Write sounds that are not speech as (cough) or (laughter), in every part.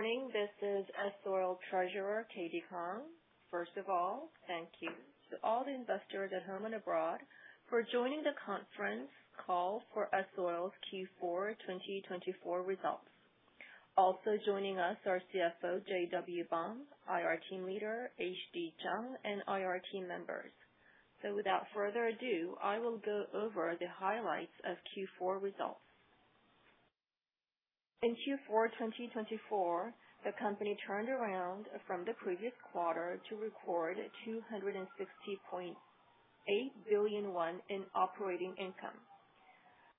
Morning. This is S-Oil Treasurer, Katie Kang. First of all, thank you to all the investors at home and abroad for joining the conference call for S-Oil's Q4 2024 results. Also joining us are CFO Ju-Wan Bang, IR Team Leader H.D. Jung, and IR team members. Without further ado, I will go over the highlights of Q4 results. In Q4 2024, the company turned around from the previous quarter to record 260.8 billion won in operating income.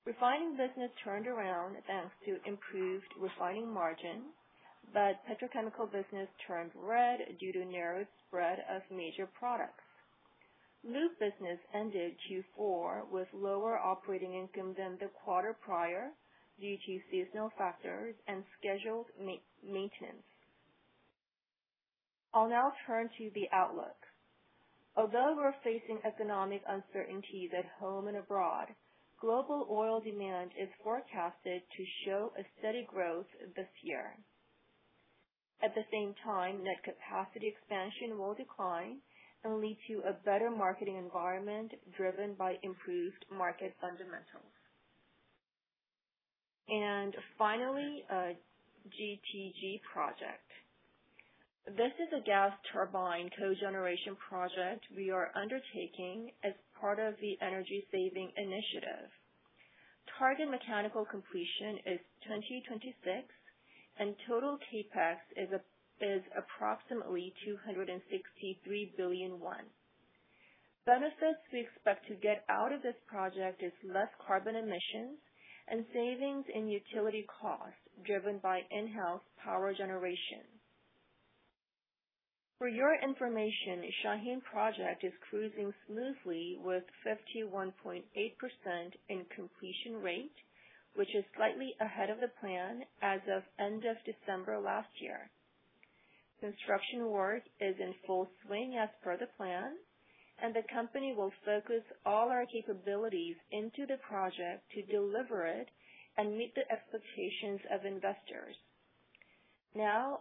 Refining business turned around thanks to improved refining margin, petrochemical business turned red due to narrowed spread of major products. Lube business ended Q4 with lower operating income than the quarter prior due to seasonal factors and scheduled maintenance. I will now turn to the outlook. Although we are facing economic uncertainties at home and abroad, global oil demand is forecasted to show a steady growth this year. At the same time, net capacity expansion will decline and lead to a better marketing environment driven by improved market fundamentals. Finally, GTG Project. This is a Gas Turbine Cogeneration Project we are undertaking as part of the energy-saving initiative. Target mechanical completion is 2026, total CapEx is approximately 263 billion won. Benefits we expect to get out of this project is less carbon emissions and savings in utility costs driven by in-house power generation. For your information, Shaheen Project is cruising smoothly with 51.8% in completion rate, which is slightly ahead of the plan as of end of December last year. Construction work is in full swing as per the plan, the company will focus all our capabilities into the project to deliver it and meet the expectations of investors.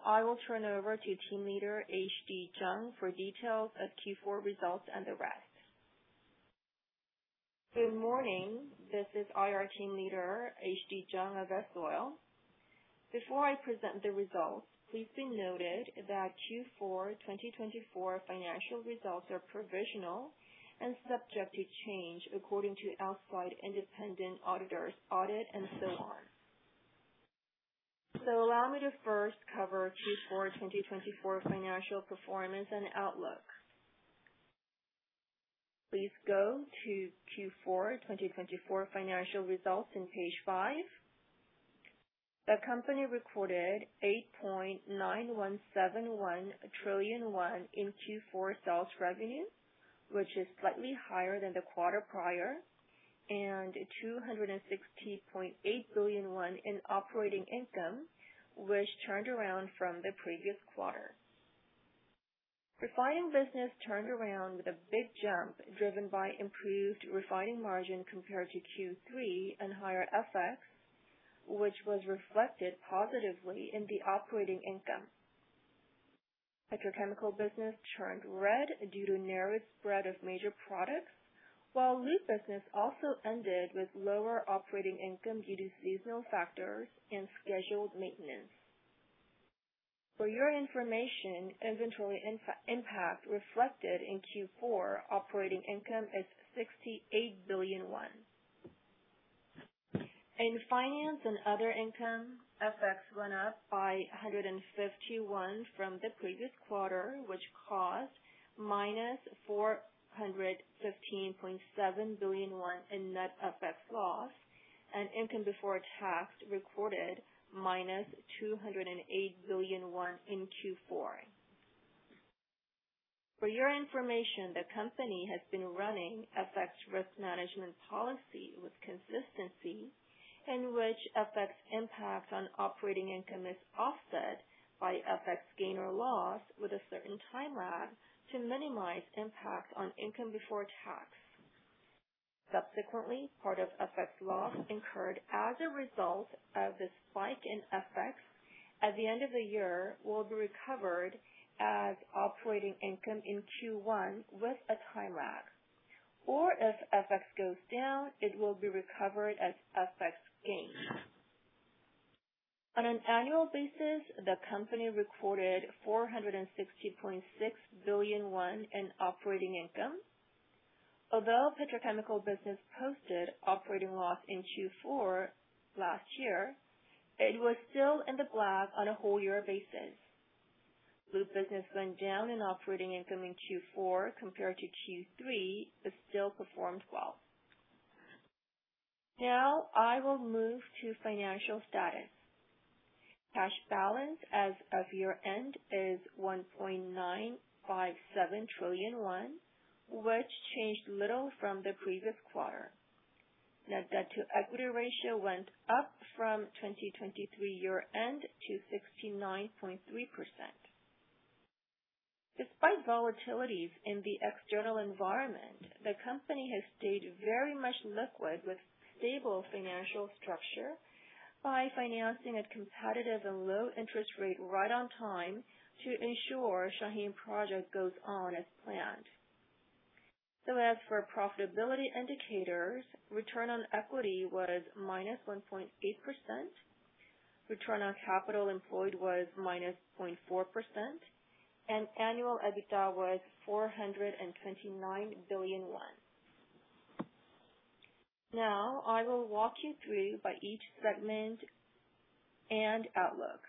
I will turn over to Team Leader H.D. Jung for details of Q4 results and the rest. Good morning. This is IR Team Leader H.D. Jung of S-Oil. Before I present the results, please be noted that Q4 2024 financial results are provisional and subject to change according to outside independent auditors' audit and so on. Allow me to first cover Q4 2024 financial performance and outlook. Please go to Q4 2024 financial results on page five. The company recorded 8.9171 trillion won in Q4 sales revenue, which is slightly higher than the quarter prior, and 260.8 billion won in operating income, which turned around from the previous quarter. Refining business turned around with a big jump, driven by improved refining margin compared to Q3 and higher FX, which was reflected positively in the operating income. Petrochemical business turned red due to narrowed spread of major products, while lube business also ended with lower operating income due to seasonal factors and scheduled maintenance. For your information, inventory impact reflected in Q4 operating income is 68 billion won. In finance and other income, FX went up by 151 from the previous quarter, which caused minus 415.7 billion won in net FX loss, and income before tax recorded minus 208 billion won in Q4. For your information, the company has been running FX risk management policy with consistency, in which FX impact on operating income is offset by FX gain or loss with a certain time lag to minimize impact on income before tax. Subsequently, part of FX loss incurred as a result of the spike in FX at the end of the year will be recovered as operating income in Q1 with a time lag. If FX goes down, it will be recovered as FX gain. On an annual basis, the company recorded 460.6 billion won in operating income. Although petrochemical business posted operating loss in Q4 last year, it was still in the black on a whole year basis. Lube business went down in operating income in Q4 compared to Q3, but still performed well. I will move to financial status. Cash balance as of year-end is 1.957 trillion won, which changed little from the previous quarter. Net debt to equity ratio went up from 2023 year-end to 69.3%. Despite volatilities in the external environment, the company has stayed very much liquid with stable financial structure by financing at competitive and low interest rate right on time to ensure Shaheen Project goes on as planned. As for profitability indicators, return on equity was -1.8%, return on capital employed was -0.4%, and annual EBITDA was 429 billion won. I will walk you through by each segment and outlook.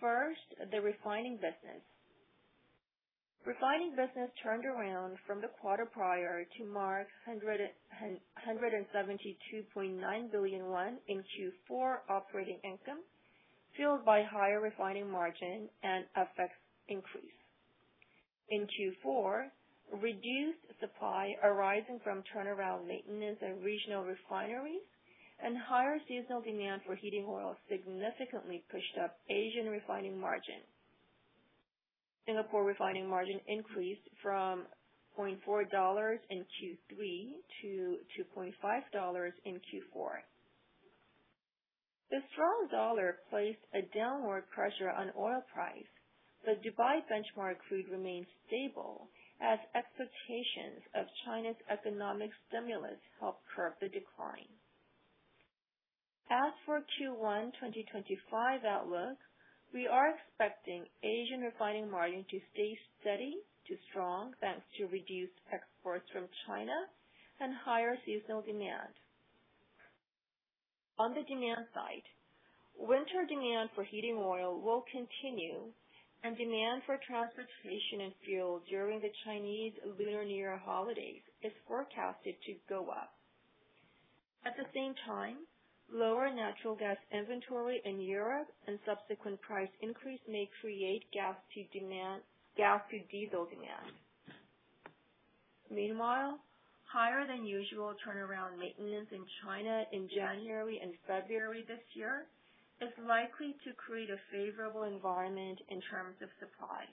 First, the refining business. Refining business turned around from the quarter prior to mark 172.9 billion won in Q4 operating income, fueled by higher refining margin and FX increase. In Q4, reduced supply arising from turnaround maintenance and regional refineries and higher seasonal demand for heating oil significantly pushed up Asian refining margin. Singapore refining margin increased from $0.4 in Q3 to $2.5 in Q4. The strong dollar placed a downward pressure on oil price, but Dubai benchmark crude remained stable as expectations of China's economic stimulus helped curb the decline. As for Q1 2025 outlook, we are expecting Asian refining margin to stay steady to strong, thanks to reduced exports from China and higher seasonal demand. On the demand side, winter demand for heating oil will continue, and demand for transportation and fuel during the Chinese Lunar New Year holidays is forecasted to go up. At the same time, lower natural gas inventory in Europe and subsequent price increase may create gas to diesel demand. Meanwhile, higher than usual turnaround maintenance in China in January and February this year is likely to create a favorable environment in terms of supply.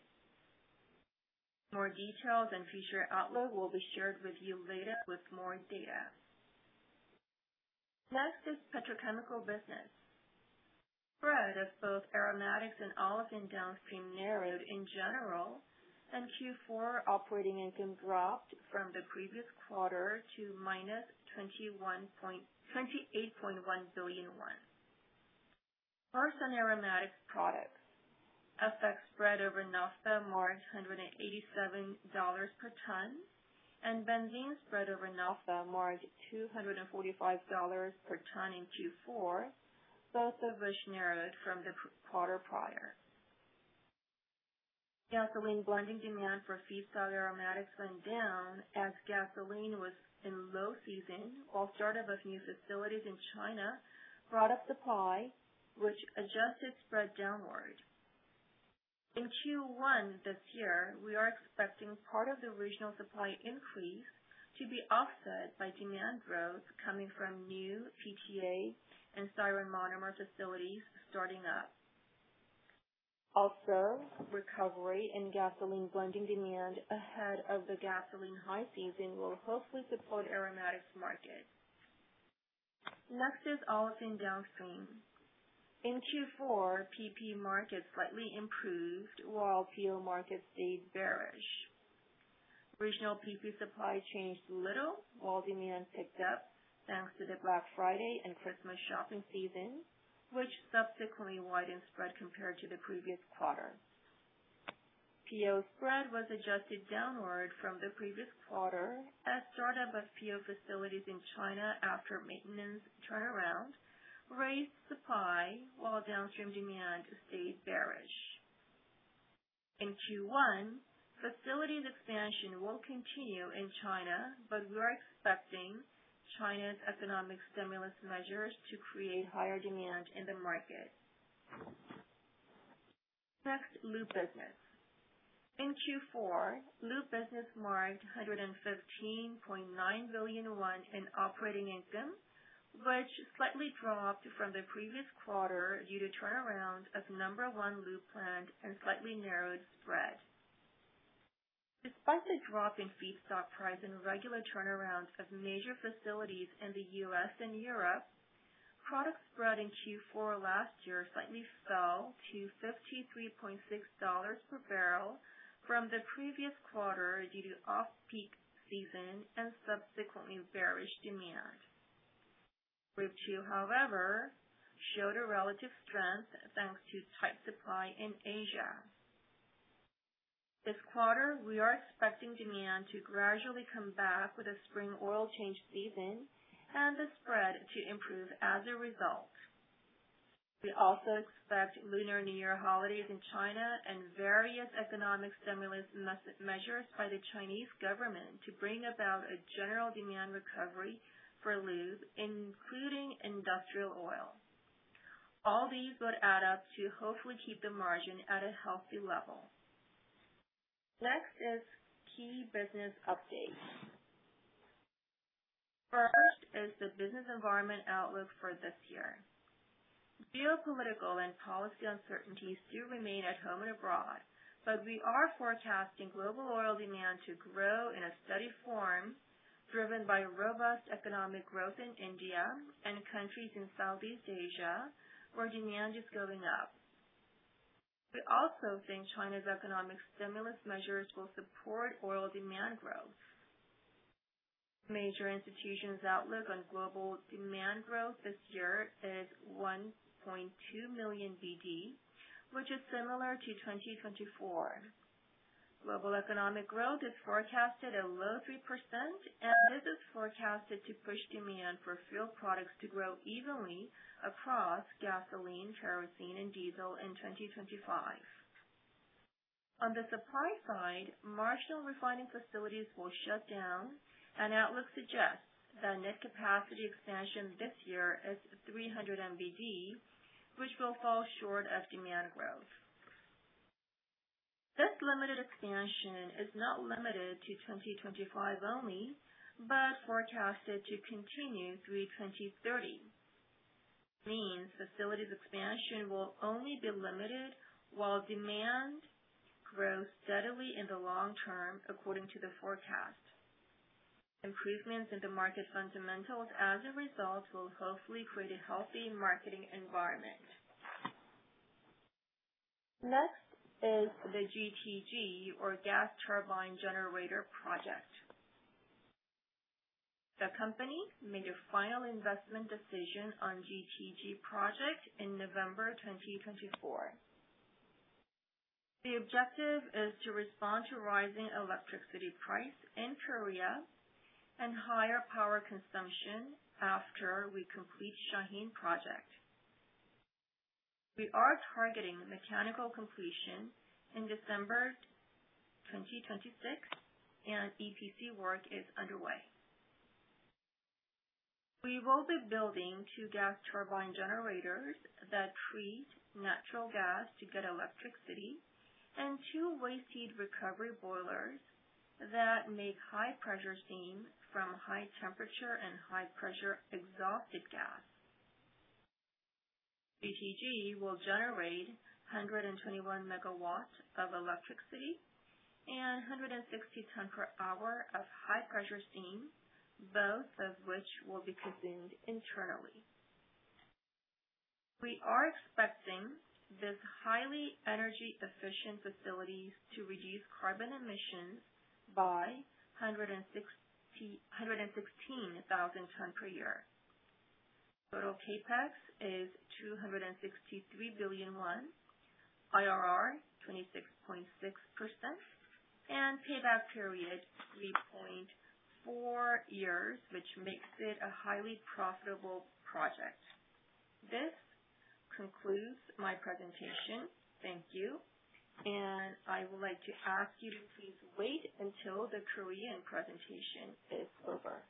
More details and future outlook will be shared with you later with more data. Petrochemical business. Spread of both aromatics and olefin downstream narrowed in general, and Q4 operating income dropped from the previous quarter to -KRW 28.1 billion. First, on aromatics products. FX spread over naphtha marked $187 per ton, and benzene spread over naphtha marked $245 per ton in Q4, both of which narrowed from the quarter prior. Gasoline blending demand for feedstock aromatics went down as gasoline was in low season, while startup of new facilities in China brought up supply, which adjusted spread downward. In Q1 this year, we are expecting part of the regional supply increase to be offset by demand growth coming from new PTA and styrene monomer facilities starting up. Also, recovery in gasoline blending demand ahead of the gasoline high season will hopefully support aromatics market. Olefin downstream. In Q4, PP market slightly improved, while PO market stayed bearish. Regional PP supply changed little, while demand picked up thanks to the Black Friday and Christmas shopping season, which subsequently widened spread compared to the previous quarter. PO spread was adjusted downward from the previous quarter as startup of PO facilities in China after maintenance turnaround raised supply while downstream demand stayed bearish. In Q1, facilities expansion will continue in China, but we are expecting China's economic stimulus measures to create higher demand in the market. Next, lube business. In Q4, lube business marked 115.9 billion won in operating income, which slightly dropped from the previous quarter due to turnaround of number one lube plant and slightly narrowed spread. Despite the drop in feedstock price and regular turnarounds of major facilities in the U.S. and Europe, product spread in Q4 last year slightly fell to $53.6 per barrel from the previous quarter due to off-peak season and subsequently bearish demand. Group III, however, showed a relative strength thanks to tight supply in Asia. This quarter, we are expecting demand to gradually come back with the spring oil change season and the spread to improve as a result. We also expect Lunar New Year holidays in China and various economic stimulus measures by the Chinese government to bring about a general demand recovery for lube, including industrial oil. All these would add up to hopefully keep the margin at a healthy level. Next is key business updates. First is the business environment outlook for this year. Geopolitical and policy uncertainties do remain at home and abroad, we are forecasting global oil demand to grow in a steady form, driven by robust economic growth in India and countries in Southeast Asia, where demand is going up. We also think China's economic stimulus measures will support oil demand growth. Major institutions' outlook on global demand growth this year is 1.2 million BD, which is similar to 2024. Global economic growth is forecasted at a low 3%, this is forecasted to push demand for fuel products to grow evenly across gasoline, kerosene, and diesel in 2025. On the supply side, marginal refining facilities will shut down, outlook suggests that net capacity expansion this year is 300 MBD, which will fall short of demand growth. This limited expansion is not limited to 2025 only, forecasted to continue through 2030. It means facilities expansion will only be limited while demand grows steadily in the long term, according to the forecast. Improvements in the market fundamentals, as a result, will hopefully create a healthy marketing environment. Next is the GTG or Gas Turbine Generator project. The company made a final investment decision on GTG project in November 2024. The objective is to respond to rising electricity price in Korea and higher power consumption after we complete Shaheen Project. We are targeting mechanical completion in December 2026, EPC work is underway. We will be building two Gas Turbine Generators that treat natural gas to get electricity and two waste heat recovery boilers that make high-pressure steam from high temperature and high-pressure exhausted gas. GTG will generate 121 megawatts of electricity and 160 tonnes per hour of high-pressure steam, both of which will be consumed internally. We are expecting these highly energy-efficient facilities to reduce carbon emissions by 116,000 tonnes per year. Total CapEx is 263 billion won, IRR 26.6%, payback period 3.4 years, which makes it a highly profitable project. This concludes my presentation. Thank you. I would like to ask you to please wait until the Korean presentation is over.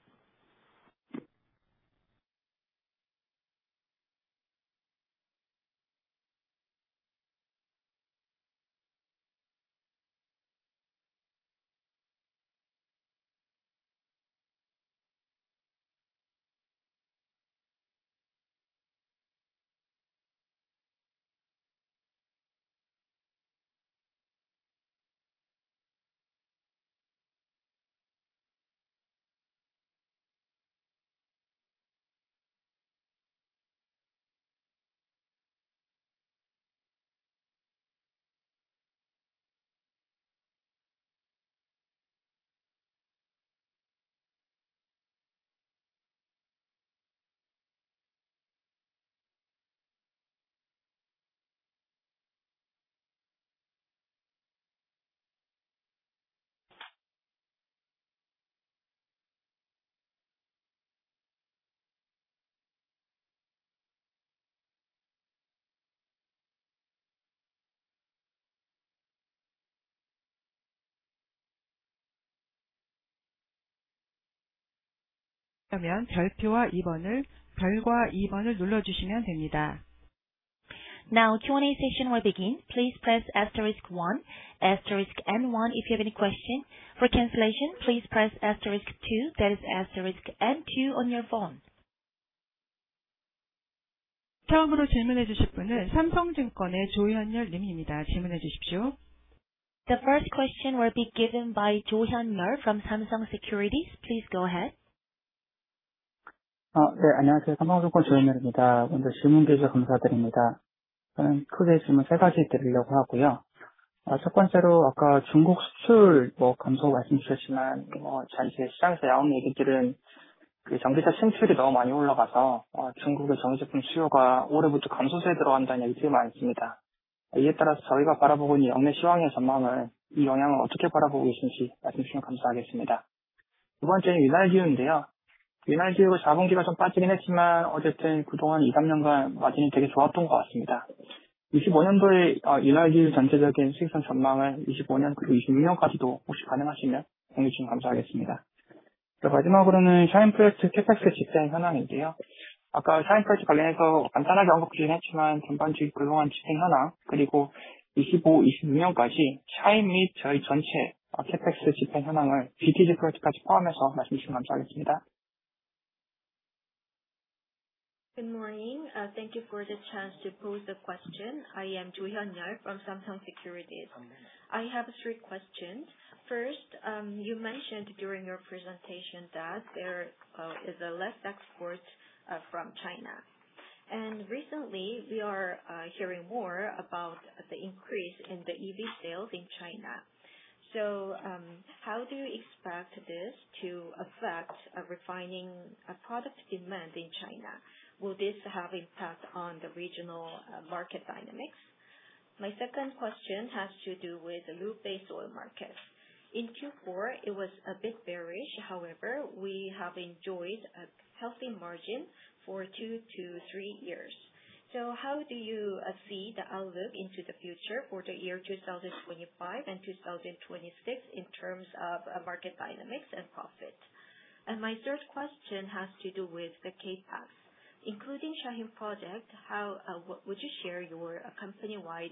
Now Q&A session will begin. Please press asterisk one, asterisk and one if you have any questions. For cancellation, please press asterisk two, that is asterisk and two on your phone. The first question will be given by Johanne Mur from Samsung Securities. Please go ahead. Thank you for the chance to pose the question. I am Jo Hyun-A from Samsung Securities. I have three questions. First, you mentioned during your presentation that there is less export from China. Recently, we are hearing more about the increase in the EV sales in China. How do you expect this to affect refining product demand in China? Will this have impact on the regional market dynamics? My second question has to do with the lube base oil market. In Q4, it was a bit bearish. However, we have enjoyed a healthy margin for two to three years. How do you see the outlook into the future for the year 2025 and 2026 in terms of market dynamics and profit? My third question has to do with the CapEx. Including Shaheen Project, would you share your company-wide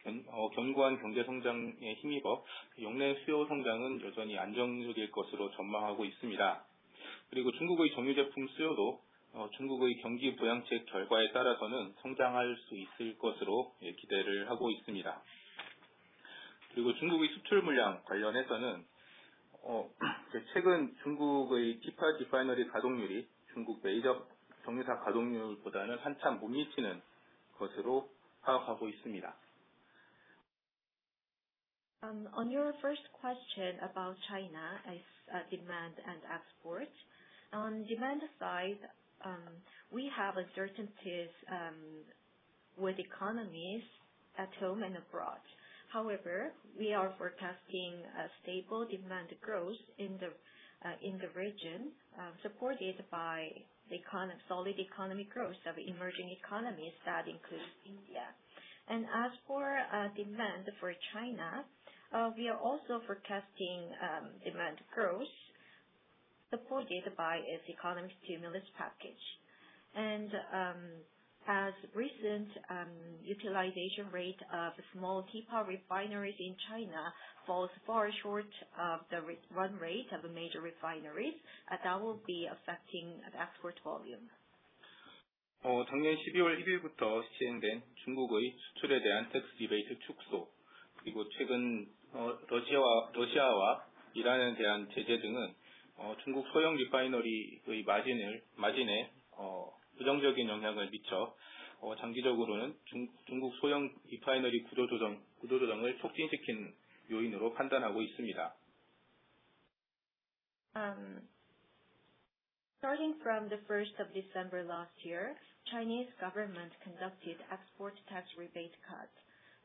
CapEx and the status for execution, including GTG project too? Thank you. On your first question about China as demand and export. On demand side, we have uncertainties with economies at home and abroad. However, we are forecasting a stable demand growth in the region, supported by the solid economy growth of emerging economies that includes India. As for demand for China, we are also forecasting demand growth supported by its economy stimulus package. As recent utilization rate of small teapot refineries in China falls far short of the run rate of the major refineries, that will be affecting the export volume. Starting from the 1st of December last year, Chinese government conducted export tax rebate cut.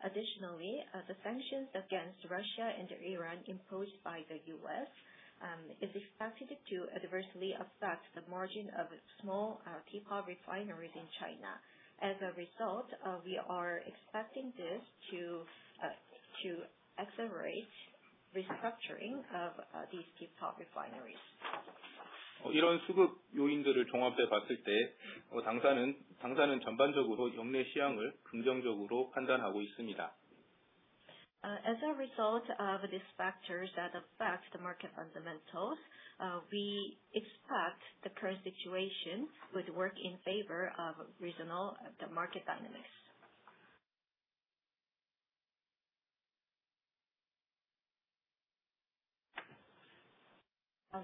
Additionally, the sanctions against Russia and Iran imposed by the U.S. is expected to adversely affect the margin of small teapot refineries in China. As a result, we are expecting this to accelerate restructuring of these teapot refineries. As a result of these factors that affect the market fundamentals, we expect the current situation would work in favor of regional market dynamics.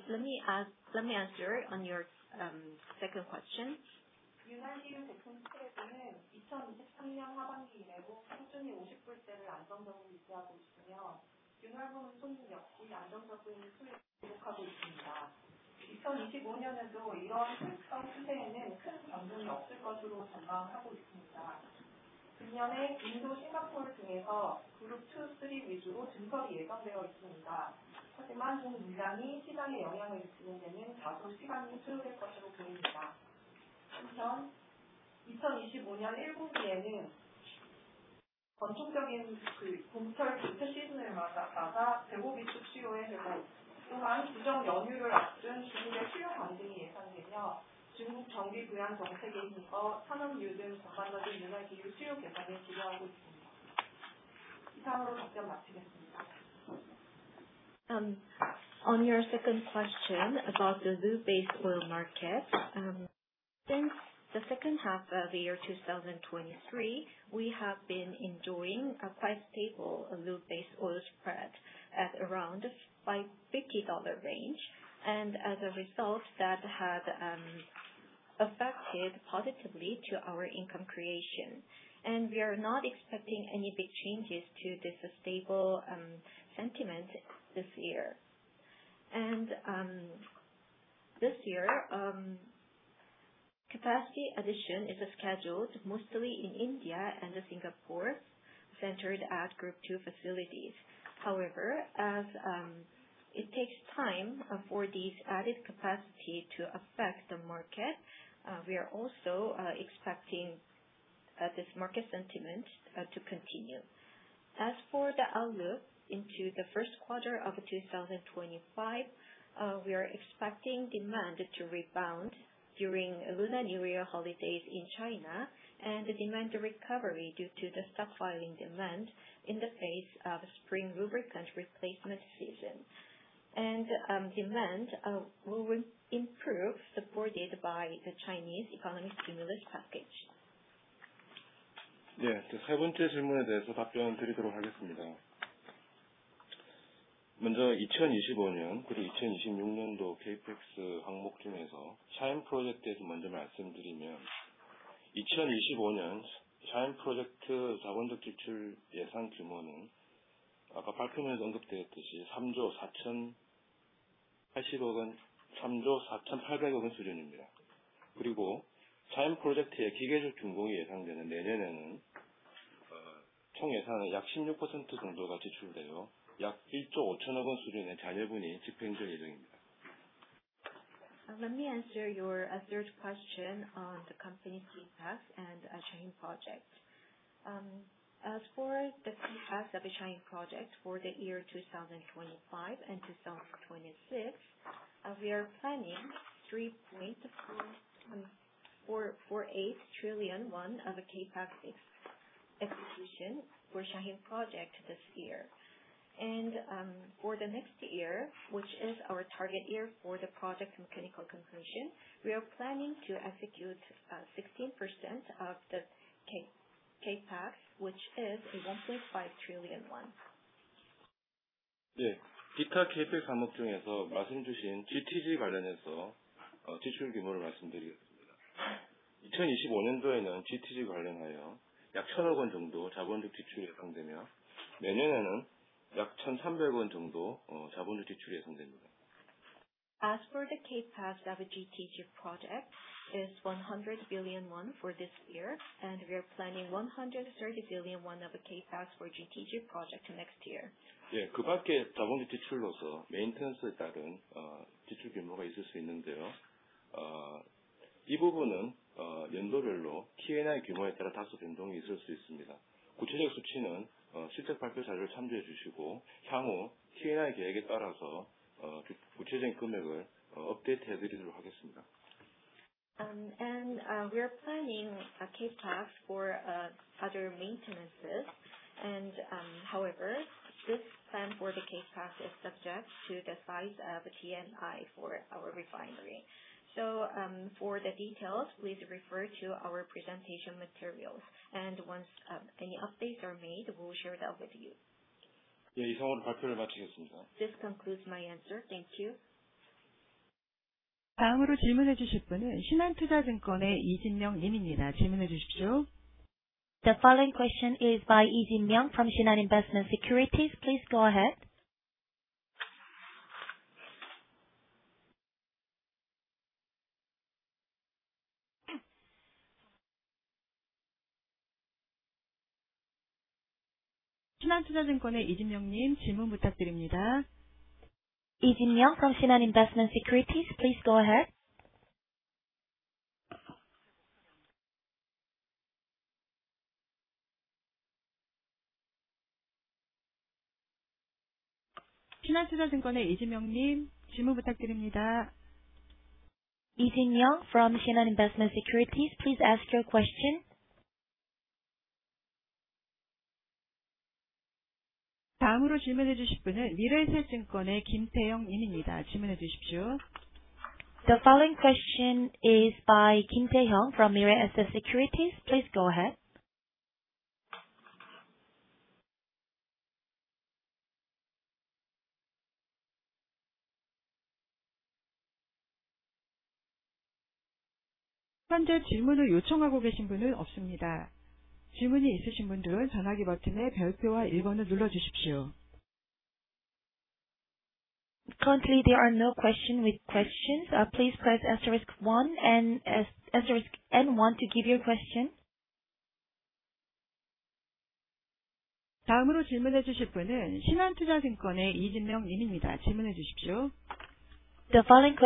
Let me answer on your second question. On your second question about the lube base oil market. Since the second half of the year 2023, we have been enjoying a quite stable lube base oil spread at around by $50 range. As a result, that had affected positively to our income creation. We are not expecting any big changes to this stable sentiment this year. This year, capacity addition is scheduled mostly in India and Singapore, centered at Group 2 facilities. However, as it takes time for these added capacity to affect the market, we are also expecting this market sentiment to continue. As for the outlook into the first quarter of 2025, we are expecting demand to rebound during Lunar New Year holidays in China and demand recovery due to the stockpiling demand in the face of spring lubricant replacement season. Demand will improve, supported by the Chinese economic stimulus package. 네, 세 번째 질문에 대해서 답변드리도록 하겠습니다. 먼저 2025년 그리고 2026년도 CapEx 항목 중에서 Shaheen Project에 대해서 먼저 말씀드리면, 2025년 Shaheen Project 자본적 지출 예상 규모는 아까 발표에서 언급되었듯이 3조 4,800억 원 수준입니다. 그리고 Shaheen Project의 기계적 준공이 예상되는 내년에는 총 예산의 약 16% 정도가 지출되어 약 1조 5,000억 원 수준의 잔여분이 집행될 예정입니다. Let me answer your third question on the company CapEx and Shaheen Project. As for the CapEx of Shaheen Project for the year 2025 and 2026, we are planning 3.48 trillion won of a CapEx execution for Shaheen Project this year. For the next year, which is our target year for the project mechanical completion, we are planning to execute 16% of the CapEx, which is 1.5 trillion. 기타 CapEx 항목 중에서 말씀주신 GTG 관련하여 지출 규모를 말씀드리겠습니다. 2025년도에는 GTG 관련하여 약 1천억 원 정도 자본적 지출이 예상되며, 내년에는 약 1,300억 원 정도 자본적 지출이 예상됩니다. As for the CapEx of a GTG project is 100 billion won for this year. We are planning 130 billion won of a CapEx for GTG project next year. 네, 그 밖에 자본적 지출로서 maintenance에 따른 지출 규모가 있을 수 있는데요. 이 부분은 연도별로 T&I 규모에 따라 다소 변동이 있을 수 있습니다. 구체적 수치는 실적 발표 자료를 참조해 주시고, 향후 T&I 계획에 따라서 구체적인 금액을 업데이트 해드리도록 하겠습니다. We are planning a CapEx for other maintenances. However, this plan for the CapEx is subject to the size of T&I for our refinery. For the details, please refer to our presentation materials. Once any updates are made, we'll share that with you. 네, 이상으로 발표를 마치겠습니다. This concludes my answer. Thank you. 다음으로 질문해 주실 분은 신한투자증권의 이진명 님입니다. 질문해 주십시오. The following question is by 이진명 from Shinhan Investment Securities. Please go ahead. 신한투자증권의 이진명 님, 질문 부탁드립니다. 이진명 from Shinhan Investment Securities, please go ahead. 신한투자증권의 이진명 님, 질문 부탁드립니다. 이진명 from Shinhan Investment Securities, please ask your question. 다음으로 질문해 주실 분은 미래에셋증권의 김태영 님입니다. 질문해 주십시오. The following question is by 김태영 from Mirae Asset Securities. Please go ahead. 현재 질문을 요청하고 계신 분은 없습니다. 질문이 있으신 분들은 전화기 버튼의 별표와 1번을 눌러주십시오. Currently, there are no question with questions. Please press asterisk 1 and asterisk and 1 to give your question. 다음으로 질문해 주실 분은 신한투자증권의 이진명 님입니다. 질문해 주십시오. The following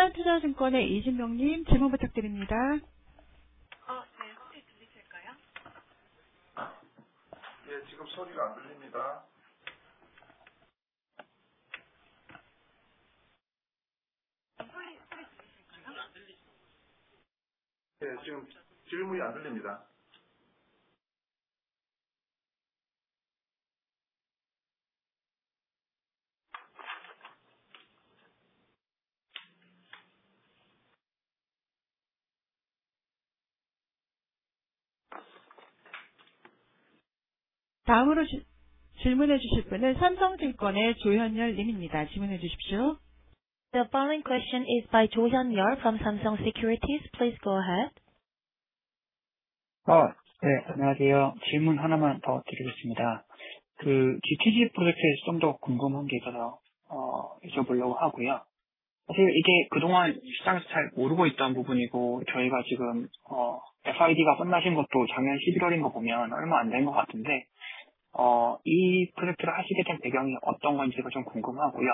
question is by 이진명 from Shinhan Investment Securities. Please go ahead. 혹시 소리 들리실까요? 그러면 질문 시작하셔도 됩니다. 이진명 증권입니다. 네, 신한투자증권의 이진명 님, 질문 부탁드립니다. 네, 혹시 들리실까요? 네, 지금 소리가 안 들립니다. 소리 들리세요? 네, 지금 질문이 안 들립니다. 다음으로 질문해 주실 분은 삼성증권의 조현렬 님입니다. 질문해 주십시오. The following question is by 조현렬 from Samsung Securities. Please go ahead. 안녕하세요. 질문 하나만 더 드리겠습니다. GTG 프로젝트에 좀더 궁금한 게 있어서 여쭤보려고 하고요. 사실 이게 그동안 시장에서 잘 모르고 있던 부분이고, 저희가 지금 FID가 끝나신 것도 작년 11월인 거 보면 얼마 안된것 같은데, 이 프로젝트를 하시게 된 배경이 어떤 건지가 좀 궁금하고요.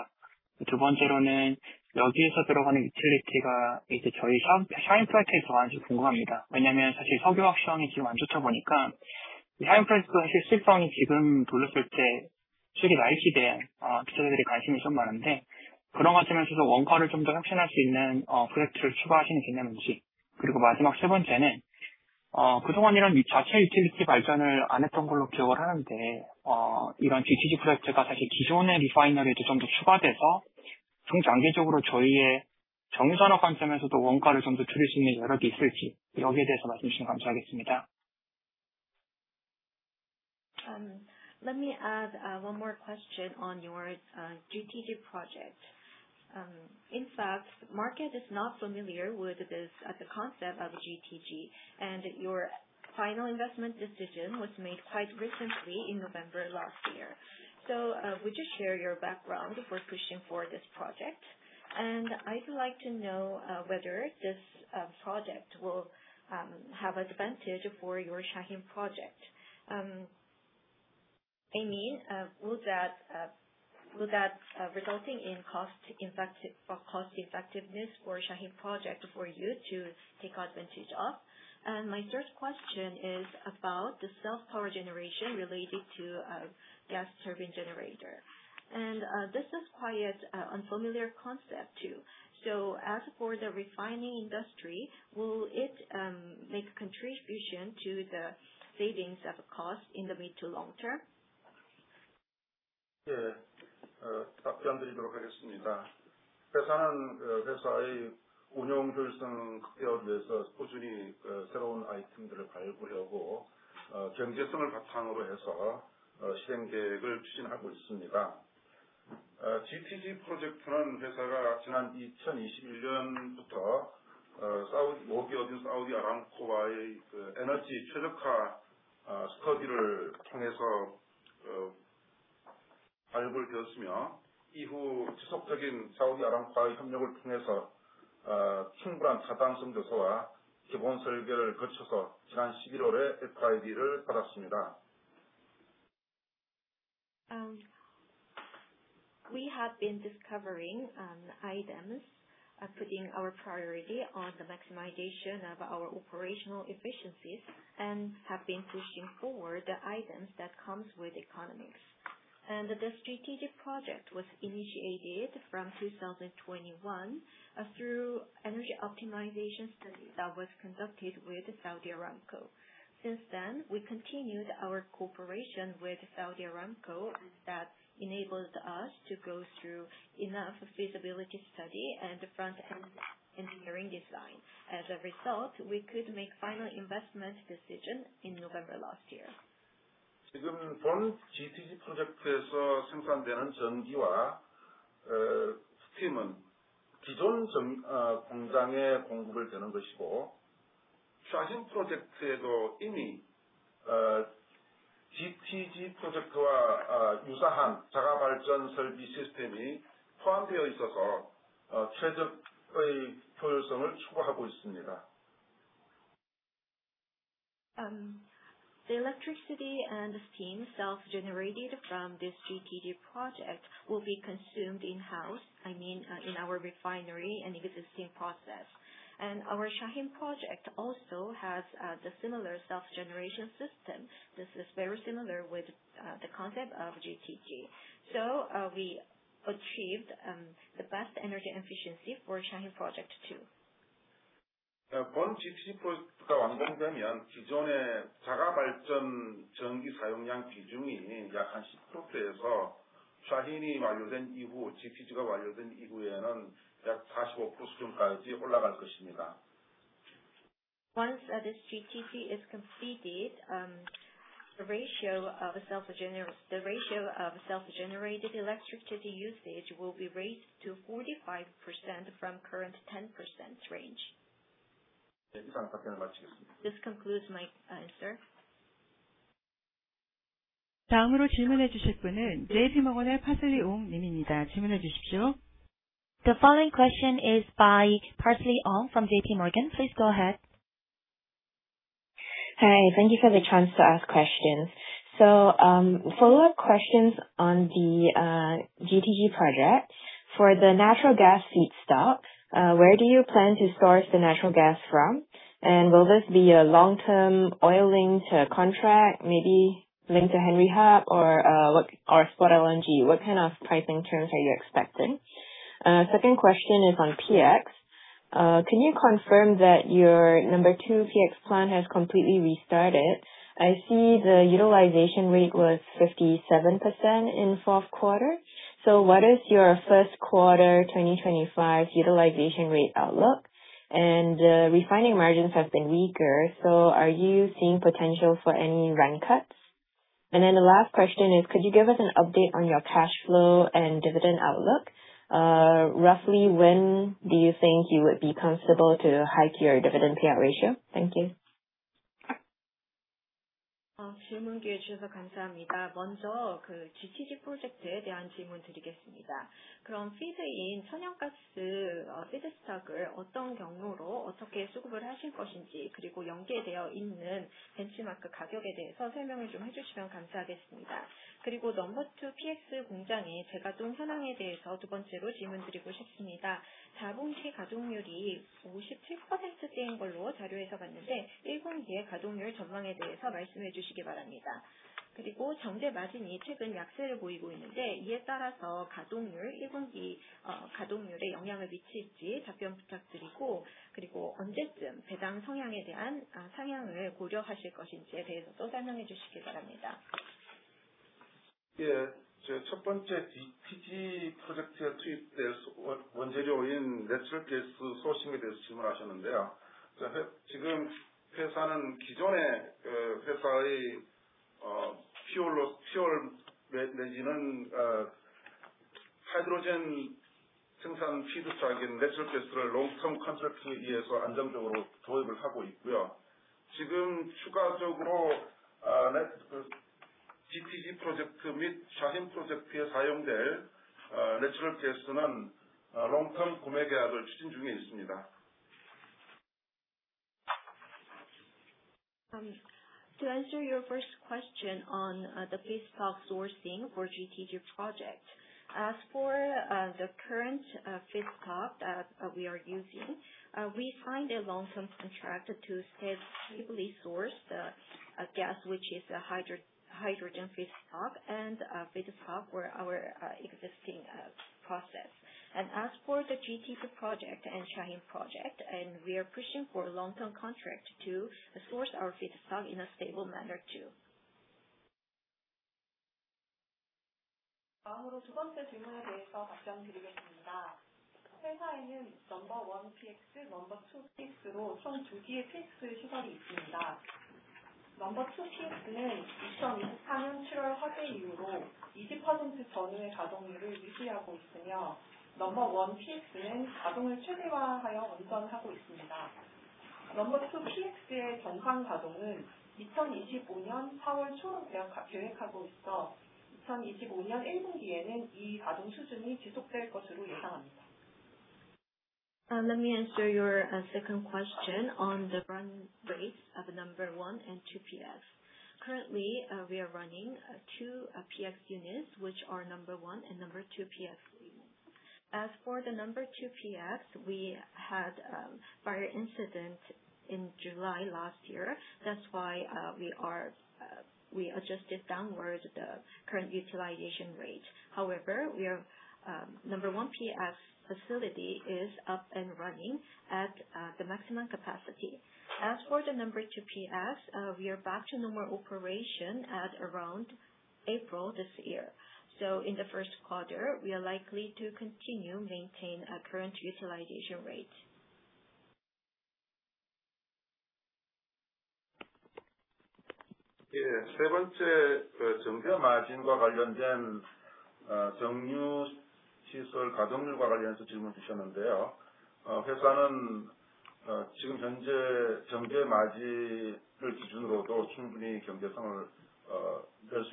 두 번째로는 여기에서 들어가는 유틸리티가 저희 샤힌 프로젝트에서 하는지 궁금합니다. 왜냐하면 사실 석유화학 시황이 지금 안 좋다 보니까 샤힌 프로젝트의 수익성이 지금 돌렸을 때 수익이 날지에 대한 투자자들의 관심이 좀 많은데, 그런 와중에서도 원가를 좀더 혁신할 수 있는 프로젝트를 추가하신 개념인지. 그리고 마지막 세 번째는, 그동안 이런 자체 유틸리티 발전을 안 했던 걸로 기억을 하는데, 이런 GTG 프로젝트가 사실 기존의 리파이너리도 좀더 추가돼서 중장기적으로 저희의 정유 산업 관점에서도 원가를 좀더 줄일 수 있는 여력이 있을지. 여기에 대해서 말씀 주시면 감사하겠습니다. Let me add one more question on your GTG project. In fact, market is not familiar with this at the concept of GTG, and your final investment decision was made quite recently in November last year. Would you share your background for pushing for this project? I'd like to know whether this project will have advantage for your Shaheen Project. I mean, would that resulting in cost effectiveness for Shaheen Project for you to take advantage of? My third question is about the self-power generation related to Gas Turbine Generator. This is quite unfamiliar concept too. As for the refining industry, will it make a contribution to the savings of cost in the mid to long term? 답변드리도록 하겠습니다. 회사는 회사의 운영 효율성 극대화를 위해서 꾸준히 새로운 아이템들을 발굴하고, 경제성을 바탕으로 해서 실행 계획을 추진하고 있습니다. GTG 프로젝트는 회사가 지난 2021년부터 모기업인 사우디아람코와의 에너지 최적화 스터디를 통해서 발굴되었으며, 이후 지속적인 사우디아람코와의 협력을 통해서 충분한 타당성 조사와 기본 설계를 거쳐서 지난 11월에 FID를 받았습니다. We have been discovering items, putting our priority on the maximization of our operational efficiencies, and have been pushing forward the items that comes with economics. This strategic project was initiated from 2021 through energy optimization studies that was conducted with Saudi Aramco. Since then, we continued our cooperation with Saudi Aramco that enabled us to go through enough feasibility study and front-end engineering design. As a result, we could make final investment decision in November last year. 지금 본 GTG 프로젝트에서 생산되는 전기와 스팀은 기존 공장에 공급이 되는 것이고, 샤힌 프로젝트에도 이미 GTG 프로젝트와 유사한 자가 발전 설비 시스템이 포함되어 있어서 최적의 효율성을 추구하고 있습니다. The electricity and steam self-generated from this GTG project will be consumed in-house, I mean, in our refinery and existing process. Our Shaheen Project also has the similar self-generation system. This is very similar with the concept of GTG. We achieved the best energy efficiency for Shaheen Project, too. 본 GTG 프로젝트가 완성되면 기존의 자가 발전 전기 사용량 비중이 약 10%에서 샤힌이 완료된 이후, GTG가 완료된 이후에는 약 45% 수준까지 올라갈 것입니다. Once this GTG is completed, the ratio of self-generated electricity usage will be raised to 45% from current 10% range. 네, 이상 답변을 마치겠습니다. This concludes my answer. 다음으로 질문해 주실 분은 JP Morgan의 Parsley Ong 님입니다. 질문해 주십시오. The following question is by Parsley Ong from JP Morgan. Please go ahead. Hi, thank you for the chance to ask questions. Follow-up questions on the GTG project. For the natural gas feedstock, where do you plan to source the natural gas from? Will this be a long-term oil-linked contract, maybe linked to Henry Hub or spot LNG? What kind of pricing terms are you expecting? Second question is on PX. Can you confirm that your number two PX plant has completely restarted? I see the utilization rate was 57% in fourth quarter. What is your first quarter 2025 utilization rate outlook? Refining margins have been weaker. Are you seeing potential for any run cuts? The last question is, could you give us an update on your cash flow and dividend outlook? Roughly when do you think you would be comfortable to hike your dividend payout ratio? Thank you. 질문 기회 주셔서 감사합니다. 먼저 GTG 프로젝트에 대한 질문드리겠습니다. feed인 천연가스 feedstock을 어떤 경로로 어떻게 수급을 하실 것인지, 그리고 연계되어 있는 benchmark 가격에 대해서 설명을 좀 해주시면 감사하겠습니다. 그리고 No. 2 PX 공장의 재가동 현황에 대해서 두 번째로 질문드리고 싶습니다. 작년 가동률이 57%대인 걸로 자료에서 봤는데, 1분기의 가동률 전망에 대해서 말씀해 주시기 바랍니다. 그리고 정제 마진이 최근 약세를 보이고 있는데, 이에 따라서 1분기 가동률에 영향을 미칠지 답변 부탁드리고, 언제쯤 배당 성향에 대한 상향을 고려하실 것인지에 대해서도 설명해 주시기 바랍니다. 첫 번째 GTG 프로젝트에 투입될 원재료인 natural gas sourcing에 대해서 질문하셨는데요. 지금 회사는 기존의 회사의 fuel 내지는 hydrogen 생산 feedstock인 natural gas를 long-term contract에 의해서 안정적으로 도입을 하고 있고요. 지금 추가적으로 GTG 프로젝트 및 Shaheen 프로젝트에 사용될 natural gas는 long-term 구매 계약을 추진 중에 있습니다. To answer your first question on the feedstock sourcing for GTG project. As for the current feedstock that we are using, we signed a long-term contract to stably source the gas, which is a hydrogen feedstock and feedstock for our existing process. As for the GTG project and Shaheen Project, we are pushing for long-term contract to source our feedstock in a stable manner too. 다음으로 두 번째 질문에 대해서 답변드리겠습니다. 회사에는 No. 1 PX, No. 2 PX로 총두 개의 PX 시설이 있습니다. No. 2 PX는 2024년 7월 화재 이후로 20% 전후의 가동률을 유지하고 있으며, No. 1 PX는 가동을 최대화하여 운전하고 있습니다. No. 2 PX의 정상 가동은 2025년 4월 초로 계획하고 있어 2025년 1분기에는 이 가동 수준이 지속될 것으로 예상합니다. Let me answer your second question on the run rates of No. 1 and No. 2 PX. Currently, we are running two PX units, which are No. 1 and No. 2 PX units. As for the No. 2 PX, we had a fire incident in July last year. That's why we adjusted downward the current utilization rate. However, our No. 1 PX facility is up and running at the maximum capacity. As for the No. 2 PX, we are back to normal operation at around April this year. In the first quarter, we are likely to continue maintain our current utilization rate. 세 번째, 정제 마진과 관련된 정유 시설 가동률과 관련해서 질문 주셨는데요. 회사는 지금 현재 정제 마진을 기준으로도 충분히 경제성을 얻을 수 있다고 보고, 전사적 optimization 차원에서 1분기에도 정유 시설 가동률을 최대화할 계획입니다. As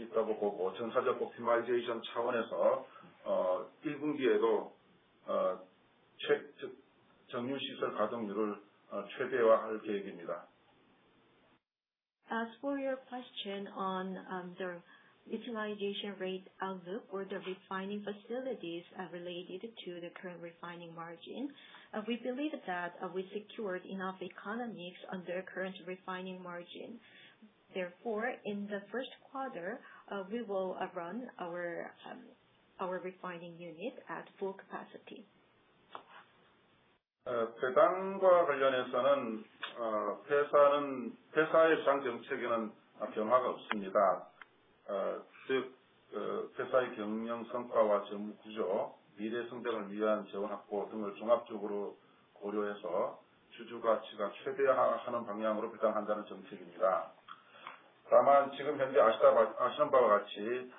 for your question on the utilization rate outlook for the refining facilities related to the current refining margin, we believe that we secured enough economies under current refining margin. Therefore, in the first quarter, we will run our refining unit at full capacity. 배당과 관련해서는 회사의 배당 정책에는 변화가 없습니다. 즉, 회사의 경영 성과와 재무 구조, 미래 성장을 위한 재원 확보 등을 종합적으로 고려해서 주주 가치가 최대화하는 방향으로 배당한다는 정책입니다. 다만 지금 현재 아시는 바와 같이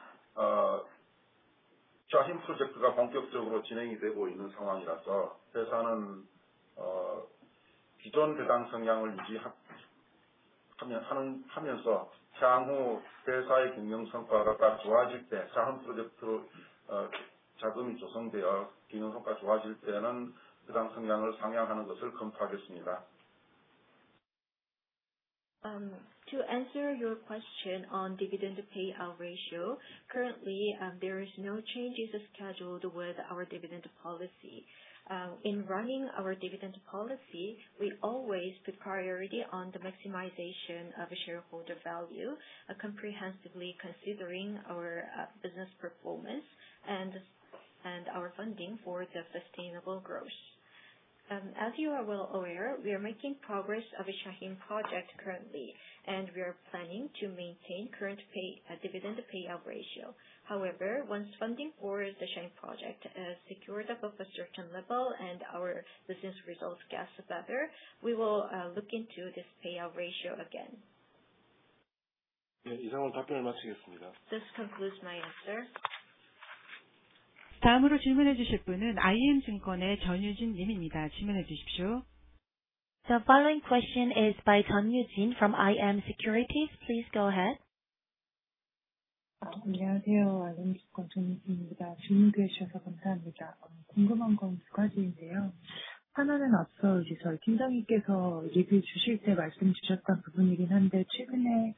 Shaheen 프로젝트가 본격적으로 진행이 되고 있는 상황이라서, 회사는 기존 배당 성향을 유지하면서 향후 회사의 경영 성과가 더 좋아질 때, Shaheen 프로젝트 자금이 조성되어 경영 성과가 좋아질 때는 배당 성향을 상향하는 것을 검토하겠습니다. To answer your question on dividend payout ratio. Currently, there is no changes scheduled with our dividend policy. In running our dividend policy, we always put priority on the maximization of shareholder value, comprehensively considering our business performance and our funding for the sustainable growth. As you are well aware, we are making progress of Shaheen Project currently, we are planning to maintain current dividend payout ratio. However, once funding for the Shaheen Project is secured above a certain level and our business results gets better, we will look into this payout ratio again. 예, 이상으로 답변을 마치겠습니다. This concludes my answer. 다음으로 질문해 주실 분은 iM증권의 전유진 님입니다. 질문해 주십시오. The following question is by 전유진 from iM Securities. Please go ahead. 안녕하세요. iM증권 전유진입니다. 질문 기회 주셔서 감사합니다. 궁금한 건두 가지인데요. 하나는 앞서 김 (inaudible) 께서 리뷰 주실 때 말씀주셨던 부분이긴 한데 최근에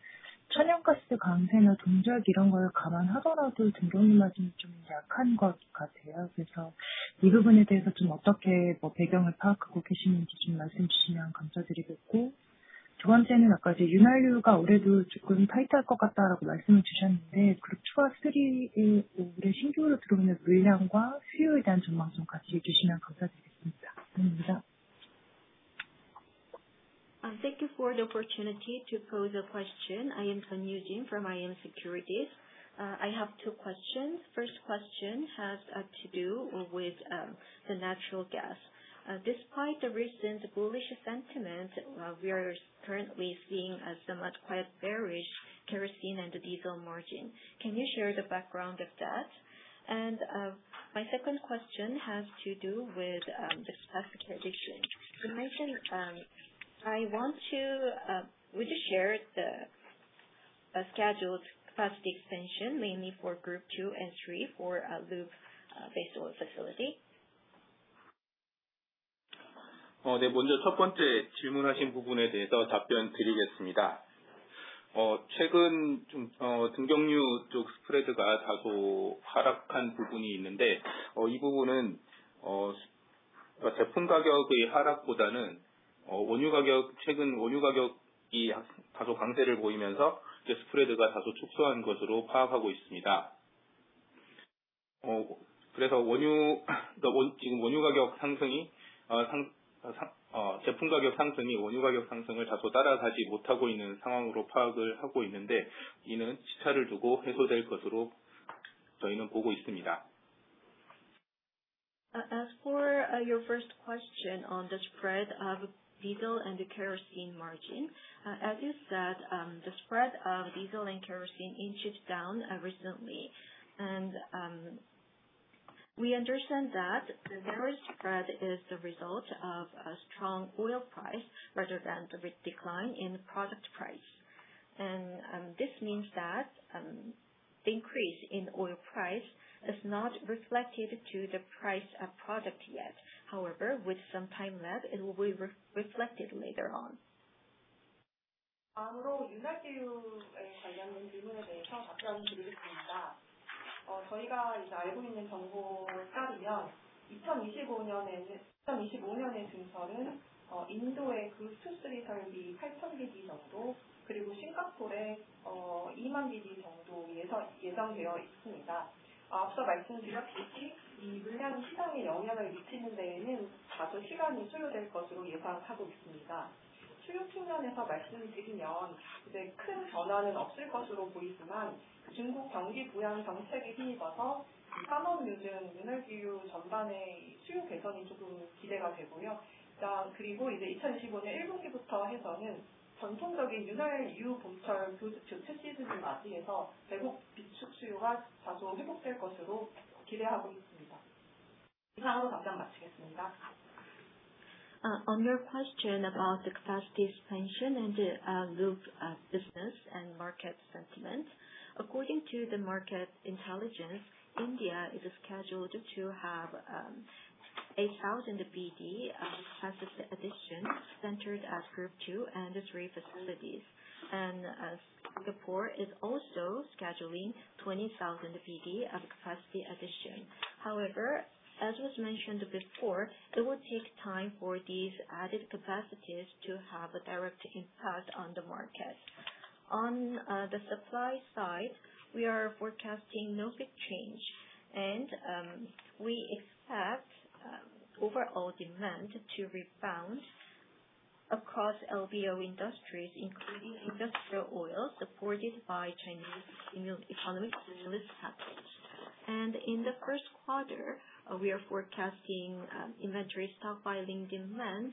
천연가스 강세나 동절기 이런 걸 감안하더라도 등유 마진이 좀 약한 것 같아요. 그래서 이 부분에 대해서 어떻게 배경을 파악하고 계시는지 말씀 주시면 감사드리겠고, 두 번째는 아까 윤활유가 올해도 조금 타이트할 것 같다라고 말씀을 주셨는데, 그룹 2와 3에 올해 신규로 들어오는 물량과 수요에 대한 전망 좀 같이 얘기해 주시면 감사드리겠습니다. 감사합니다. Thank you for the opportunity to pose a question. I am 전유진 from iM Securities. I have two questions. First question has to do with the natural gas. Despite the recent bullish sentiment, we are currently seeing a somewhat quite bearish kerosene and diesel margin. Can you share the background of that? My second question has to do with the capacity addition. Would you share the scheduled capacity expansion, mainly for Group II and III for lube base oil facility? 먼저 첫 번째 질문하신 부분에 대해서 답변드리겠습니다. 최근 등유 쪽 스프레드가 다소 하락한 부분이 있는데, 이 부분은 제품 가격의 하락보다는 최근 원유 가격이 다소 강세를 보이면서 스프레드가 다소 축소한 것으로 파악하고 있습니다. 그래서 제품 가격 상승이 원유 가격 상승을 다소 따라가지 못하고 있는 상황으로 파악을 하고 있는데, 이는 시차를 두고 해소될 것으로 저희는 보고 있습니다. As for your first question on the spread of diesel and the kerosene margin. As you said, the spread of diesel and kerosene inched down recently, and we understand that the various spread is the result of a strong oil price rather than the decline in product price. This means that increase in oil price is not reflected to the price of product yet. However, with some time lag, it will be reflected later on. 다음으로 윤활유에 관련된 질문에 대해서 답변을 드리겠습니다. 저희가 알고 있는 정보에 따르면 2025년에 준서는 인도의 Group II, III 설비 8,000BPD 정도, 그리고 싱가포르에 20,000BPD 정도 예상되어 있습니다. 앞서 말씀드렸다시피 이 물량이 시장에 영향을 미치는 데에는 다소 시간이 소요될 것으로 예상하고 있습니다. 수요 측면에서 말씀을 드리면 큰 변화는 없을 것으로 보이지만 중국 경기 부양 정책에 힘입어서 3월 이후 윤활유 전반의 수요 개선이 조금 기대가 되고요. 그리고 2025년 1분기부터 해서는 전통적인 윤활유 봄철 교체 시즌을 맞이해서 대곡 비축 수요가 다소 회복될 것으로 기대하고 있습니다. 이상으로 답변 마치겠습니다. On your question about the capacity expansion and lube business and market sentiment. According to the market intelligence, India is scheduled to have 8,000 BPD capacity addition centered at Group II and III facilities. Singapore is also scheduling 20,000 BPD of capacity addition. However, as was mentioned before, it would take time for these added capacities to have a direct impact on the market. On the supply side, we are forecasting no big change, we expect overall demand to rebound across LBO industries, including industrial oil supported by Chinese economic stimulus package. In the first quarter, we are forecasting inventory stock by linked demand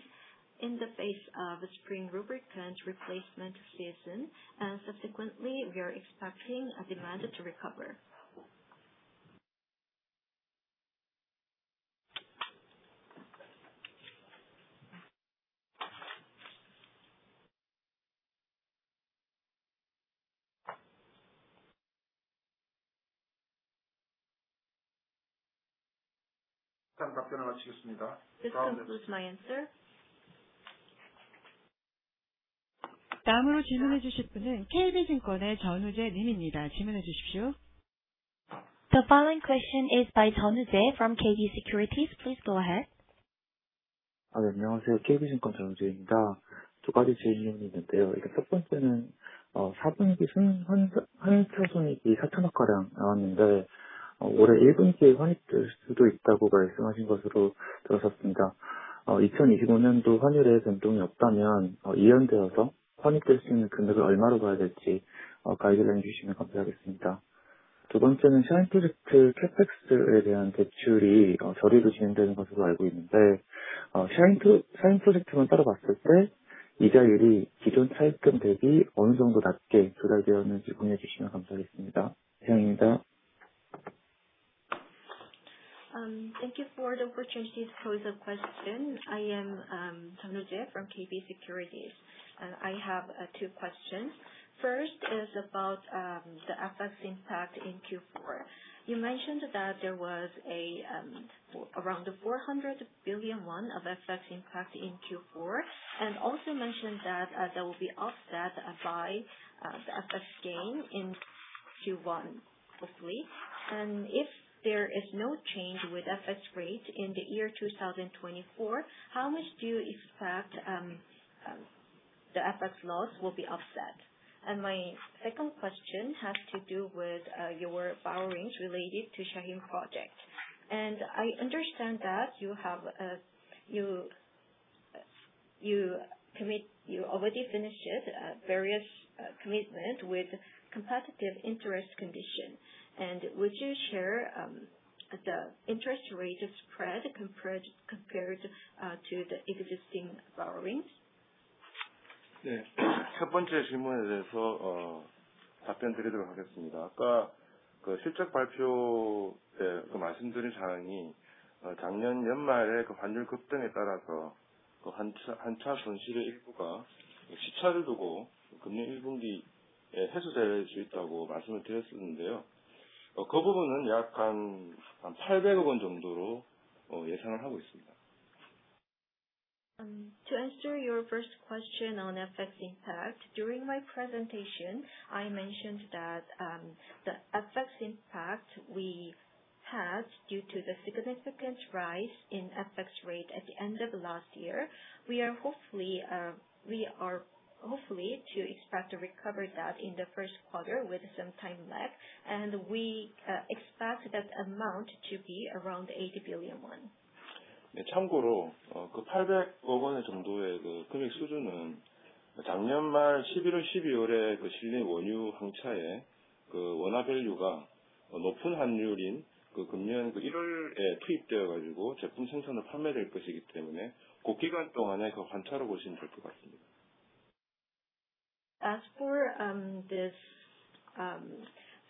in the face of spring lubricant replacement season, and subsequently, we are expecting a demand to recover. 이상 답변을 마치겠습니다. This concludes my answer. 다음으로 질문해 주실 분은 KB증권의 전우제 님입니다. 질문해 주십시오. The following question is by Jeon Woo-je from KB Securities. Please go ahead. 안녕하세요. KB증권 전우재입니다. 두 가지 질문이 있는데요. 일단 첫 번째는 4분기 순이익이 4천억 원가량 나왔는데 올해 1분기에 환입될 수도 있다고 말씀하신 것으로 들었습니다. 2025년도 환율에 변동이 없다면 이연되어서 환입될 수 있는 금액을 얼마로 봐야 될지 가이드라인 주시면 감사하겠습니다. 두 번째는 샤힌 프로젝트 CapEx에 대한 대출이 저리로 진행되는 것으로 알고 있는데 샤힌 프로젝트만 따로 봤을 때 이자율이 기존 차입금 대비 어느 정도 낮게 조달되었는지 공유해 주시면 감사하겠습니다. 태영입니다. Thank you for the opportunity to ask the question. I am Jeon Woo-je from KB Securities, I have two questions. First is about the FX impact in Q4. You mentioned that there was around 400 billion won of FX impact in Q4, also mentioned that there will be offset by the FX gain in Q1, hopefully. If there is no change with FX rate in 2024, how much do you expect the FX loss will be offset? My second question has to do with your borrowings related to Shaheen Project. I understand that you already finished various commitment with competitive interest condition. Would you share the interest rate spread compared to the existing borrowings? 네. 첫 번째 질문에 대해서 답변드리도록 하겠습니다. 아까 실적 발표 때 말씀드린 사항이 작년 연말에 환율 급등에 따라서 환차손실의 일부가 시차를 두고 금융 1분기에 회수될 수 있다고 말씀을 드렸었는데요. 그 부분은 약 800억 원 정도로 예상을 하고 있습니다. To answer your first question on FX impact. During my presentation, I mentioned that the FX impact we had due to the significant rise in FX rate at the end of last year, we are hopefully to expect to recover that in the first quarter with some time lag, and we expect that amount to be around 80 billion won. 참고로 800억 원 정도의 금액 수준은 작년 말 11월, 12월에 실린 원유 환차에 원화 밸류가 높은 환율인 금년 1월에 투입되어 가지고 제품 생산 후 판매될 것이기 때문에, 그 기간 동안에 관찰해 보시면 될것 같습니다. As for this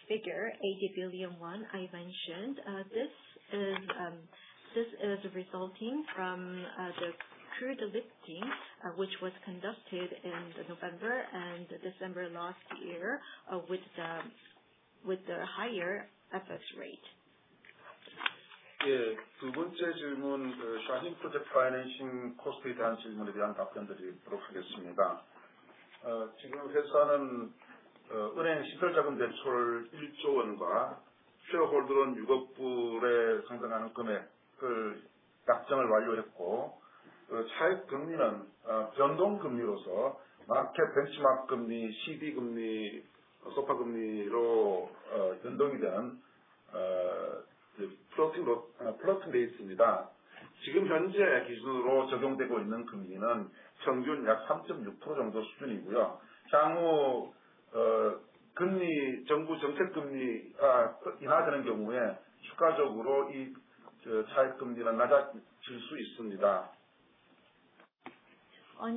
figure, 80 billion, I mentioned, this is resulting from the crude 립스틱, which was conducted in November and December last year with the higher FX rate. 두 번째 질문, Shaheen Project financing cost에 대한 질문에 답변드리도록 하겠습니다. 지금 회사는 은행 시설자금 대출 1조 원과 shareholder loan 6억 불에 상당하는 금액을 약정을 완료했고, 차입 금리는 변동 금리로써 market benchmark 금리, CD 금리, SOFR 금리로 변동이 된 floating rate로 되어 있습니다. 지금 현재 기준으로 적용되고 있는 금리는 평균 약 3.6% 정도 수준이고요. 향후 정부 정책 금리가 인하되는 경우에 추가적으로 이 차입 금리가 낮아질 수 있습니다. On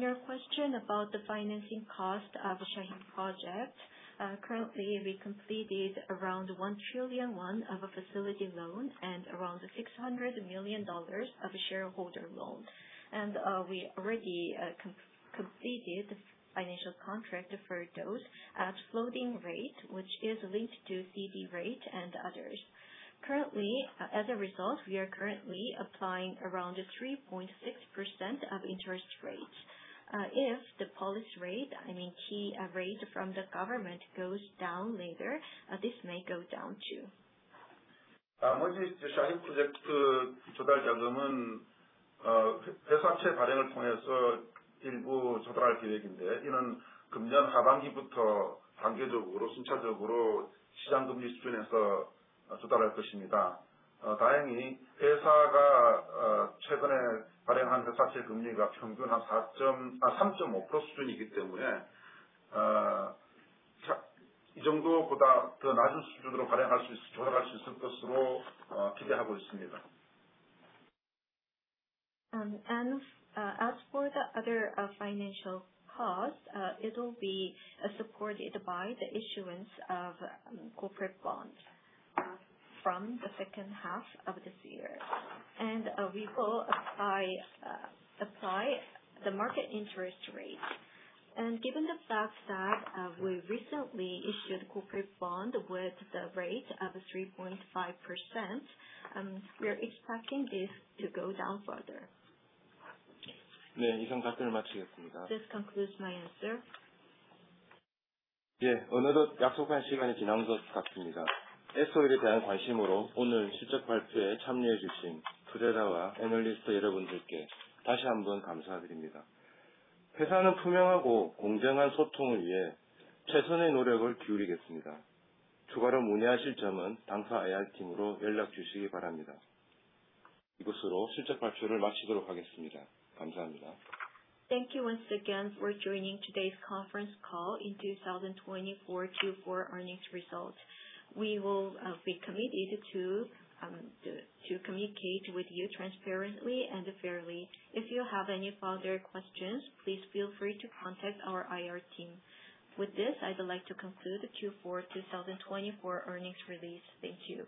your question about the financing cost of Shaheen Project. Currently, we completed around 1 trillion won of a facility loan and around $600 million of shareholder loan. We already completed the financial contract for those at floating rate, which is linked to CD rate and others. Currently, as a result, we are currently applying around 3.6% of interest rates. If the policy rate, I mean, key rate from the government, goes down later, this may go down, too. 나머지 Shaheen Project 조달 자금은 회사채 발행을 통해서 일부 조달할 계획인데, 이는 금년 하반기부터 단계적으로, 순차적으로 시장금리 수준에서 조달할 것입니다. 다행히 회사가 최근에 발행한 회사채 금리가 평균 한 3.5% 수준이기 때문에, 이 정도보다 더 낮은 수준으로 발행할 수 있을 것으로 기대하고 있습니다. As for the other financial cost, it will be supported by the issuance of corporate bonds from the second half of this year. We will apply the market interest rate. Given the fact that we recently issued corporate bond with the rate of 3.5%, we are expecting this to go down further. 네, 이상 답변을 마치겠습니다. This concludes my answer. 예, 어느덧 약속한 시간이 지나온 것 같습니다. S-Oil에 대한 관심으로 오늘 실적 발표에 참여해 주신 투자자와 애널리스트 여러분들께 다시 한번 감사드립니다. 회사는 투명하고 공정한 소통을 위해 최선의 노력을 기울이겠습니다. 추가로 문의하실 점은 당사 IR팀으로 연락 주시기 바랍니다. 이것으로 실적 발표를 마치도록 하겠습니다. 감사합니다. Thank you once again for joining today's conference call in 2024 Q4 earnings result. We will be committed to communicate with you transparently and fairly. If you have any further questions, please feel free to contact our IR team. With this, I would like to conclude the Q4 2024 earnings release. Thank you.